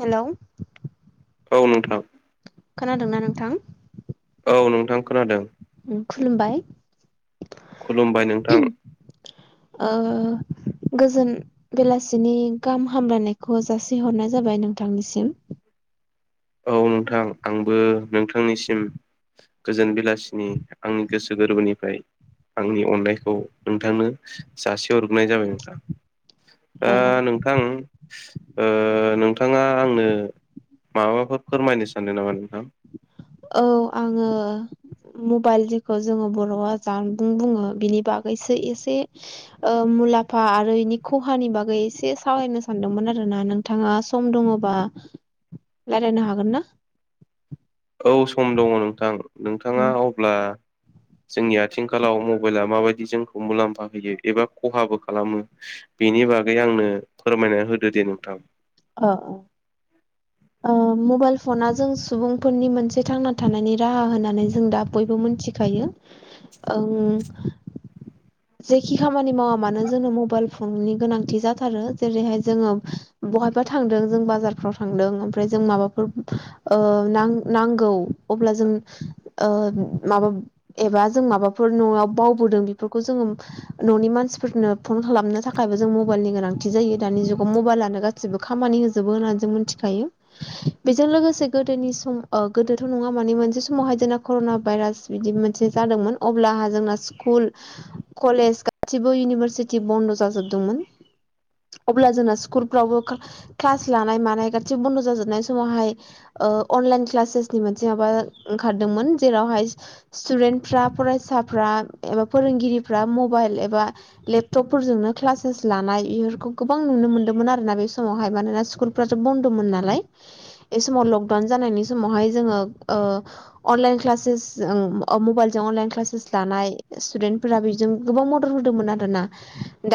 हेल' औ नोंथां खोनादोंना नोंथां? औ नोंथां खोनादों खुलुमबाय खुलुमबाय नोंथां ओ गोजोन बेलासिनि गाहाम हामलायनायखौ जासिहरनाय जाबाय नोंथांनिसिम औ नोंथां आंबो नोंथांनिसिम गोजोन बेलासिनि आंनि गोसो गोरबोनिफ्राय आंनि अननायखौ नोंथांनो जाजि हर नाय जाबाय नोंथां ओ औ नोंथां ओ नोंथाङा आंनो माबाफोर फोरमायनो सानदों नामा नोंथां? औ आङो मबाइल जेखौ जोङो बर'आ जानबुं बुङो बिनि बागैसो इसे ओ मुलामफा आरो इनि ख'हानि बागै इसे सावरायनो सानदोंमोन आरो ना नों नोंथाङा सम दङ'बा रायलायनो हागोन ना? औ सम दङ' नोंथां नोंथाङा अब्ला जोंनि आथिंखालाव मबाइला माबायदि जोंखौ मुलामफा होयो एबा खहाबो खालामो बेनि बागै आंनो फोरमायना होदो दे नोंथां अ अ ओ मबाइल फना जों सुबुंफोरनि मोनसे थांना थानायनि राहा होननानै जों दा बयबो मोनथि खायो ओं जेखि खामानि मावा मानो जोनो मबाइल फननि गोनांथि जाथारो जेरैहाय जोङो बहायबा थांदों जों बाजारफ्राव थांदों ओमफ्राय जों माबाफोर ओ नां नांगौ अब्ला जों ओ माबा एबा जों माबाफोर न'आव बावबोदों बेफोरखौ जोङो न'नि मानसिफोरनो फन खालामनो थाखायबो जों मबाइलनि गोनांथि जायो दानि जुगाव मबाइलानो गा सिबो खामानि होजोबो होननानै जों मोनथिखायो बेजों लोगोसे गोदोनि सम ओ गोदोथ' नङा माने मोनसे समावहाय जोंना कर'ना भाइरास बिदि मोनसे जादोंमोन अब्ला आहा जोंना स्कुल कलेज गासिबो इउनिभारसिटि बन्द' जाजोबदोंमोन अब्ला जोंना स्कुलफ्रावबो क्लास लानाय मानाय गासिबो बन्द' जाजोबनाय समावहाय ओ अनलाइन क्लासेसनि मोनसे माबा ओंखारदोंमोन जेरावहाय स्टुडेन्टफ्रा फरायसाफ्रा एबा फोरोंगिरिफ्रा मबाइल एबा लेपटपफोरजोंनो क्लासेस लानाय बेफोरखौ गोबां नुनो मोन्दोंमोन आरोना बे समावहाय मानोना स्कुल फ्राथ' बन्द'मोन नालाय बे समाव लकडाउन जानायनि समावहाय जोङो ओ अनलाइन क्लासेस औ मबाइलजों अनलाइन क्लासेस लानाय स्टुदेन्टफोरा बेजों गोबां मदद होदोंमोन आर ना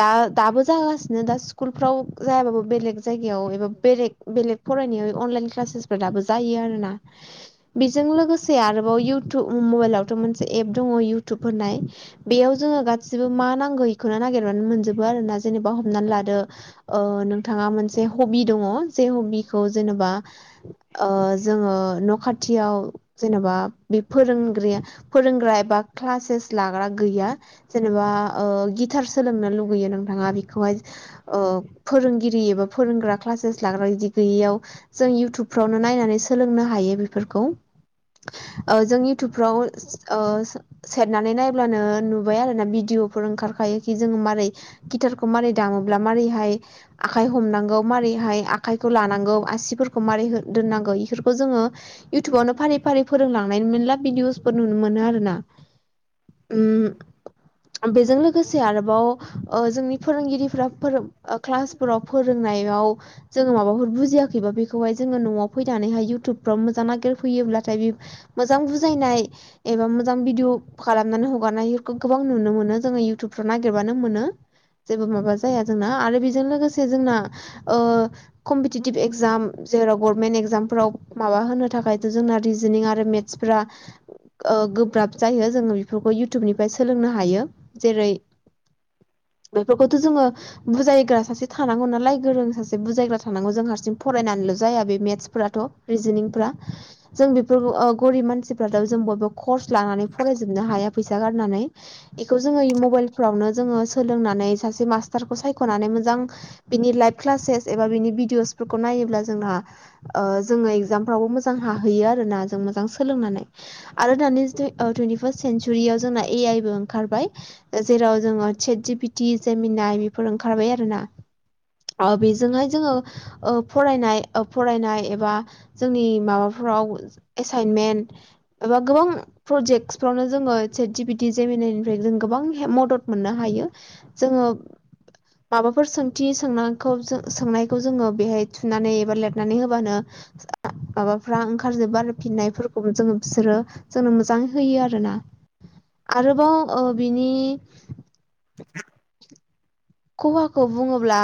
दा दाबो जागासिनो दा स्कुलफ्राव जायाबाबो बेलेग जायगायाव एबा बेलेग बेलेग फरायनायाव अनलाइन क्लासेसफोर दाबो जायो आरो ना बेजों लोगोसे आरोबाव इउटुब मबाइलावथ' मोनसे एप दंङो इउटुब होननाय बेयाव जोंङो गासिबो मा नांगौ बेखौनो नागिरनानै मोनजोबो आरो ना जेनेबा हमनानै लादो नोंथाङा मोनसे हबि दंङो जे हबिखौ जेनेबा ओ जोङो न' खाथियाव जेनेबा बे फोरोंगिरिया फोरोंग्रा एबा क्लासेस लाग्रा गैया जेनेबा ओ गिटार सोलोंनो लुगैयो नोंथांङा बेखौहाय ओ फोरोंगिरि एबा फोरोंग्रा क्लासेस लाग्रा बिदि गैयैआव जों इउटुबफ्रावनो नायनानै सोलोंनो हायो बेफोरखौ जों इउटुबफ्राव ओ नानै नायब्लानो नुबाय आरो ना भिडिअफोर ओंखारखायोखि जोङो मारै गिटारखौ मारै दामोब्ला मारैहाय आखाइ हमनांगौ माबारैहाय आखाइखौ लानांगौ आसिफोरखौ माबारै दोननांगौ इफोरखौ जोंङो इउथुबावनो फारि फारि फोरोंलांनाय मेरला भिदिअसफोर नुनो मोनो आरो ना ओम बेजों लोगोसे आरोबाव ओ जोंनि फोरोंगिरिफ्रा फोरों क्लासफोराव फोरोंनायाव हा जोङो माबाफोर बुजिआखैबा बेखौहाय जोंङो न'आव फैनानैहाय इउटुबफ्राव मोजां नागिरफैयोब्लाथाय बे मोजां बुजायनाय एबा मोजां भिदिअ खालामनानै हगारनायफोरखौ गोबां नुनो मोनो जोंङो इउटुबफ्राव नागिरबानो मोनो जेबो माबा जाया जोंना आरो बेजों लोगोसे जोंना ओ कम्पिटिटिभ एकजाम जेराव गभर्नमेन्ट एकजामफोराव माबा होनो थाखायथ' जोंना रिजनिं आरो मेथ सफ्रा गोब्राब जायो जोंङो बेफोरखौ इउटुबनिफ्राय सोलोंनो हायो जेरै इफोरखौथ' जोंङो बुजायग्रा सासे थानांगौ नालाय गोरों सासे बुजायग्रा थानांगौ जों हारसिं फरायनानैल' जाया बे मेत्सफोराथ' रिजनिंफ्रा जों बेफोरखौ ओ गरिब मानसिफ्राथ' जों बयबो कर्स लानानै फरायजोबनो हाया फैसा फैसा गारनानै इखौ जोंङो मबाइलफ्रावनो जोंङो सोलोंनानै सासे मास्टारखौ सायख'नानै मोजां बिनि लाइभ क्लासेस एबा बिनि भिडिअसफोरखौ नायोब्ला जोंहा ओ जोङो एकजामफ्रावबो मोजां हाहैयो आरो ना जों मोजां सोलोंनानै आरो दानि जुु ओ टुइन्टिफार्स्ट सेन्सुरिआव जोंना ए आइ बो ओंखारबाय जेराव जोंङो चेट जि पिटि जमिनाय बेफोर ओंखारबाय आरो ना ओ बेजोंहाय जोंङो ओ फरायनाय ओ फरायनाय एबा जोंनि माबाफोराव एसाइनमेन्ट एबा गोबां प्रजेक्टसफ्रावनो जोङो चेट जिपिटि जमिनारनिफ्राय जों गोबां हाय मदद मोननो हायो जोंङो माबाफोर सोंथि सोंना सोंनायखौ जोङो बेहाय थुनानै एबा लिरनानै होबानो ओ माबाफ्रा ओंखार जबो आरो फिननायफोरखौ जोङो बिसोरो जोंनो मो मोजां होयो आरोना आरोबाव ओ बिनि जा [inaudible] ख'हाखौ बुंङोब्ला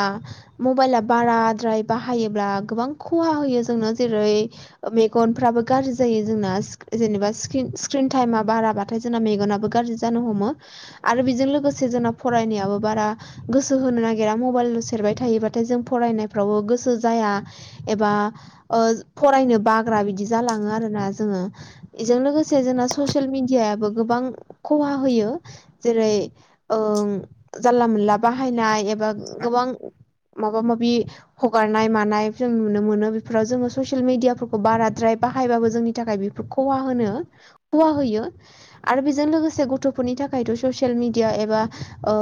मबाइला बाराद्राय बाहायोब्ला गोबां खहा होयो जोंनो जेरै ओ मेगनफ्राबो गाज्रि जायो जोंना सि जेनेबा स्क्रिन टाइमा बाराबाथाय जोंना मेगनाबो गाज्रि जानो हमो आरो बेजों लोगोसे जोंना फरायनायाबो बारा गोसो होनो नागिरा मबाइल' सेरबाय थायोबाथाय जों फरायनायफ्रावबो गोसो जाया एबा ओ फरायनो बाग्रा बिदि जालाङो आरोना जोङो इजों लोगोसे जोंना ससियेल मिडियाबो गोबां खहा होयो जेरै ओ जानला मोनला बाहायनाय एबा गोबां माबा माबि हगारनाय मानाय जों नुनो मोनो बेफोराव जोङो ससियेल मिडिआफोरखौ बाराद्राय बाहायबाबो जोंनि थाखाय बेफो खहा होनो खहा होयो आरो बेजों लोगोसे गथ'फोरनि थाखायथ' ससियेल मिडिया एबा ओ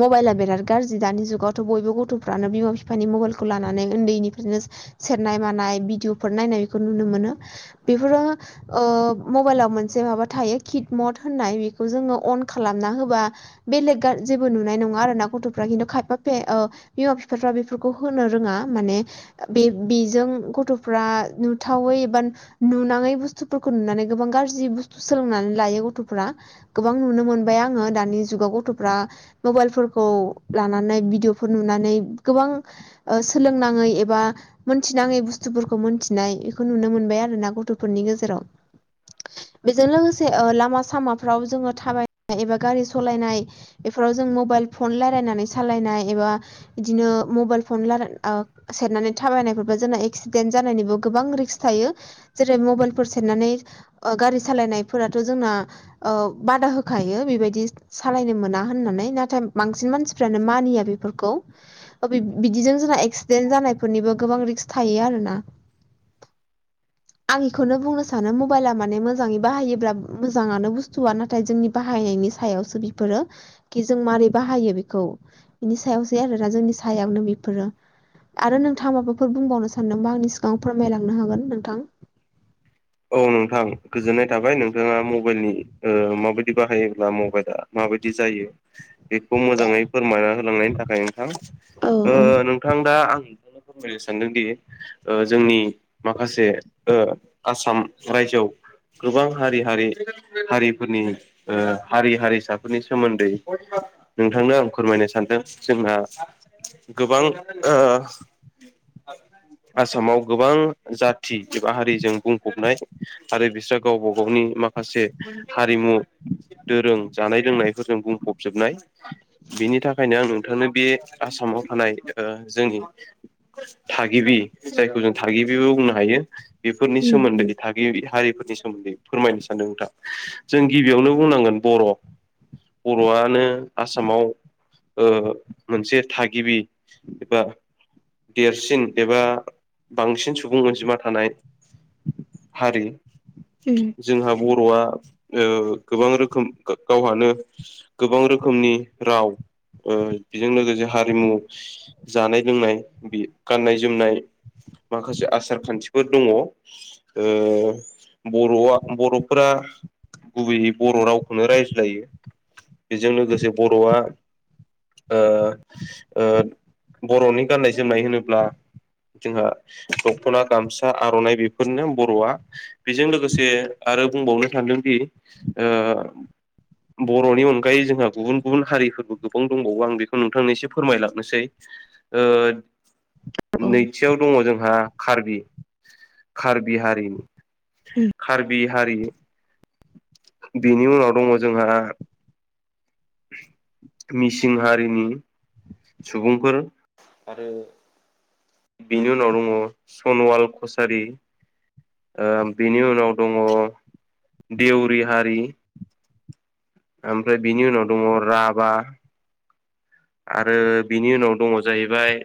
मबाइला बिराथ गाज्रि दानि जुगावथ' बयबो गथ'फ्रानो बिमा बिफानि मबाइलखौ लानानै उन्दैनिफ्रायनो सेरनाय मानाय भिडिअफोर नायनाय बेखौ नुनो मोनो बेफोरो ओ मबाइलाव मोनसे माबा थायो कितमड होननाय बेखौ जोङो अन खालामना होबा बेलेग गार जेबो नुनाय नङा आरो ना गथ'फ्रा खिन्थु खायफा फे बिमा बिफाफ्रा बेफोरखौ होनो रोङा माने ओ बे बेजों गथ'फ्रा नुथावै एबा नुनाङै बुस्थुफोरखौ नुनानै गोबां गाज्रि बुस्थु सोलोंनानै लायो गथ'फोरा गोबां नुनो मोनबाय आंङो दानि जुगाव गथ'फ्रा मबाइलफोरखौ लानानै भिडिअफोर नुनानै गोबां ओ सोलोंनाङै एबा मोनथिनाङै बुस्थुफोरखौ मोनथिनाय बेखौ नुनो मोनबाय आरो ना गथ' गथ'फोरनि गेजेराव बेजों लोगोसे ओ लामा सामाफ्राव जोङो थाबायनाय एबा गारि सलायनाय बेफोराव जों मबाइल फन रायलायनानै सालायनाय एबा बिदिनो मबाइल फनाय सेरनानै थाबायनायफोरबो जोंना एक्सिडेन्ट जानायनिबो गोबां रिक्स थायो। जेरै मबाइलफोर सेरनानै ओ गारि सालायनायफोराथ' जोंना बादा होखायो बेबायदि सालायनो मोना होननानै नाथाय बांसिन मानसिफ्रानो मानिया बेफोरखौ बिदिजों जोंना एक्सिडेन्ट जानायफोरनिबो गोबां रिक्स थायो आरो ना [inaudible] आं बेखौनो बुंनो सानो मबाइला माने मोजाङै बाहायोब्ला मोजाङानो बुस्थुआ नाथाय जोंनि बाहायनायनि सायावसो बिफोरो खि जों माबारै बाहायो बेखौ बिनि सायावसै आरोना जोंनि सायावनो बेफोरो आरो नोंथाङा माबाफोर बुंबावनो सानदोंबा आंनि सिगां फोरमायलांनो हागोन नोंथां औ नोंथां गोजोननाय थाबाय नोंथाङा मबाइलनि माबायदि बाहायोब्ला मबाइला माबायदि जायो [inaudible] बेखौ मोजाङै फोरमायना होलांनायनि थाखाय ओ औ औ नोंथां नोंथां दा आं बेखौनो फोरमायनो सानदोंदि ओ जोंनि माखासे ओ आसाम रायजोआव गोबां हारि हारि हारिफोरनि ओ हारि हारिसाफोरनि सोमोन्दै नोंथांनो आं फोरमायनो सानदों जोंना गोबां ओ आसामाव गोबां जाथि एबा हारिजों बुंफबनाय आरो बिस्रा गावबा गावनि माखासे हारिमु दोरों जानाय लोंनायफोरजों बुंफबजोबनाय बिनि थाखायनो आं नोंथांनो बे आसामाव थानाय जोंनि थागिबि जायखौ जों थागिबिबो बुंनो हायो बेफोरनि उम सोमोन्दै था गिरि हारिफोरनि सोमोन्दै फोरमायनो सानदों नोंथां जों गिबियावनो बुंनांगोन बर' बर'आनो आसामाव ओ मोनसे थागिबि एबा देरसिन एबा बांसिन सुबुं अनजिमा थानाय हारि उम जोंहा बर'आ ओ गोबां रोखोम गावहानो गोबां रोखोमनि राव बेजों लोगोसे हारिमु जानाय लोंनाय बे गाननाय जोमनाय माखासे आसार खान्थिफोर दङ' बर'आ बर'फोरा गुबैयै बर' रावखौनो रायज्लायो बेजों लोगोसे बर'आ ओ ओ बर'नि गाननाय जोमनाय होनोब्ला जोंहा दख'ना गामसा फिसा आर'नाइ बेफोरनो बर'आ बेजों लोगोसे आरो बुंबावनो सान्दोंदि ओ बर'नि अनगायै जोंहा गुबुन गुबुन हारिफोरबो गोबां दंबावो आं बेखौ नोंथांनो एसे फोरमायलांनोसै औ नैथियाव दङ' जोंहा कार्बि कार्बि हारिनि कार्बि हारि बेनि उनाव दङ जोंहा मिसिं हारिनि सुबुंफोर आरो बिनि उनाव दङ सनवाल कसारि बेनि उनाव दङ' देवरि हारि ओमफ्राय बिनि उनाव दङ राभा आरो बिनि उनाव दङ' जाहैबाय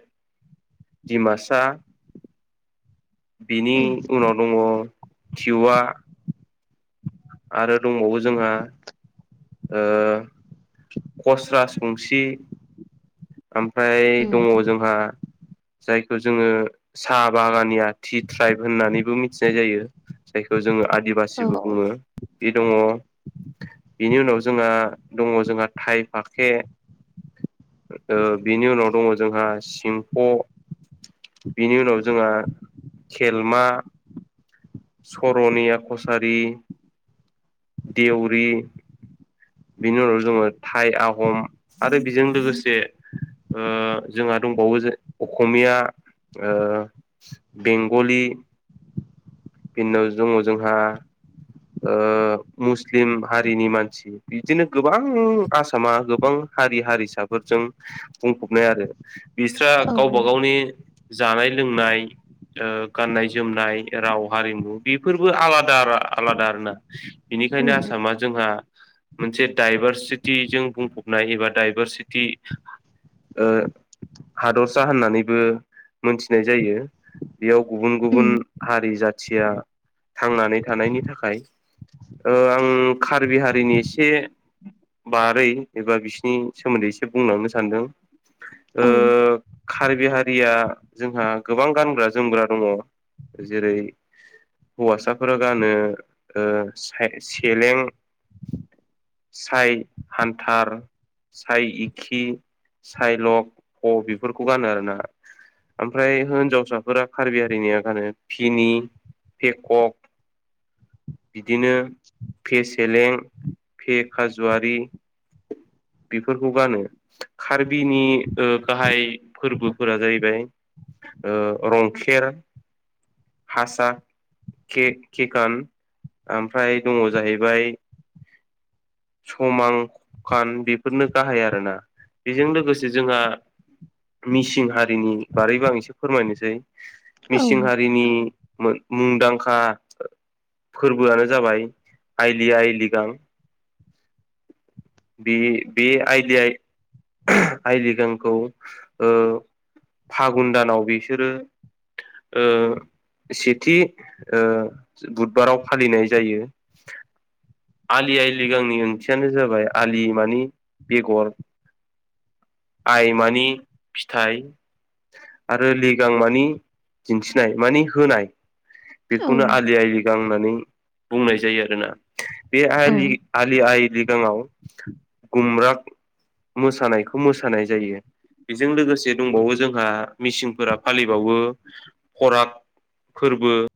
दिमासा बिनि उनाव दङ' जिउआ आरो दंबावो जोंहा खसरासबंसि ओमफ्राय दङ' जोंहा जायखौ जोङो साहा बागानिया थि ट्राइब होननानैबो मिथिनाय जायो। जायखौ जोङो आदिबासिबो बुङो बे दङ। बिनि उनाव जोंहा दङ जोंहा थाइ फाखे ओ बेनि उनाव दङ जोंहा सिमफ' बिनि उनाव जोंहा खेलमा सरनिया कसारि आइसबिति बिनि उनाव जोङो थाइ आहम आरो बेजों लोगोसे जोंहा दंबावो जे असमिया ओ बेंगलि बिनि उनाव दङ' जोंहा ओ मुस्लिम हारिनि मानसि बिदिनो गोबां आसामा गोबां हारि हारिसाफोरा बुंफबनाय आरो बिस्रा औ गावबा गावनि जानाय-लोंनाय गाननाय जोमनाय राव हारिमु बेफोरबो आलादा आलादा आरो ना उम औ उम बेनिखायनो आसामा जोंहा मोनसे दडाइभारसिटिजों बुंफबनाय एबा डाइभारसिटि। हादरसा होननानैबो मोनथिनाय जायो। बेयाव गुबुन गुबुन उम हारि जाथिया थांनानै थानायनि थाखाय ओ आं कार्बिहारिनि एसे बारै एबा बिसिनि सोमोन्दै एसे बुंलांबावनो सानदों औ कार्बिहारिया जोंहा गोबां गानग्रा-जोमग्रा दङ' जेरै हौवासाफोरा गानो ओ सेरें साय हान्था साय इखि साय लक अ बेफोरखौ गानो आरोना। ओमफ्राय हिनजावसाफोरा कार्बि हारिनिया गानो फिनि पेकक। बिदिनो फे सेलें, फे खाजुवारि [inaudible] बेफोरखौ गानो कार्बिनि गाहाय फोरबोफोरा जाहैबाय। रंखेर हासा के-केकान ओमफ्राय दङ' जाहैबाय समांखान बेफोरनो गाहाय आरोना बेजों लोगोसे जोंहा मिसिं हारिनि बारैबो आं एसे फोरमायनोसै मिसिं हारिनि मुंदांखा फोरबोआनो जाबाय आलि आइ लिगां ओ बे बे आइ आइलि गांखौ फागुन दानाव बिसोरो ओ सेथि ओ बुधबाराव फालिनाय जायो। आलि आइलि गांनि ओंथियानो जाबाय आलि मानि बेगर, आइ माने फिथाइ आरो लिगां मानि दिन्थिनाय मानि होनाय औ बेखौनो आलि आइ लिगां होननानै बुंनाय जायो आरोना बे औ आलि आलि-आइ लिगाङाव गुमराग मोसानायखौ मोसानाय जायो। बेजों लोगोसे दंबावो जोंहा मिसिंफोरा फालिबावो खराग फोरबो